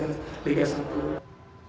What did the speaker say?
di sini ada pemain dari mantan kapten tim nas